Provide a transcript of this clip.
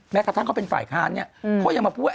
แม้กระทั่งเขาเป็นฝ่ายค้านเนี่ยเขายังมาพูดว่า